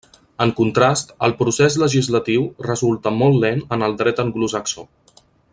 En contrast, el procés legislatiu resulta molt lent en el dret anglosaxó.